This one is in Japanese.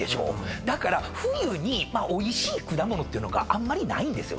だから冬においしい果物があんまりないんですよね。